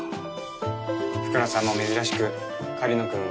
福野さんも珍しく「狩野くん